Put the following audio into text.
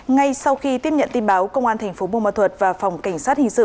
ngay sau khi tiếp nhận tin báo công an thành phố bùa ma thuật và phòng cảnh sát hình sự